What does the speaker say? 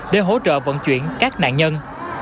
để hỗ trợ vận chuyển các nạn nhân